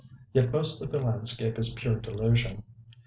Yet most of the landscape is pure delusion.